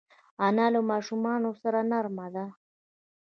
انا له ماشومانو سره نرمه ده